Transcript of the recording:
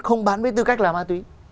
không bán với tư cách là ma túy